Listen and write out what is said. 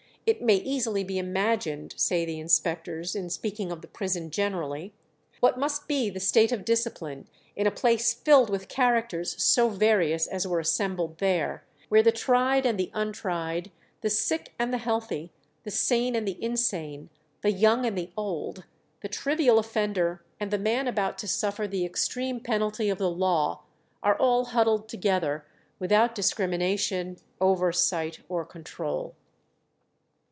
"It may easily be imagined," say the inspectors, in speaking of the prison generally, "what must be the state of discipline in a place filled with characters so various as were assembled there, where the tried and the untried, the sick and the healthy, the sane and the insane, the young and the old, the trivial offender and the man about to suffer the extreme penalty of the law, are all huddled together without discrimination, oversight, or control."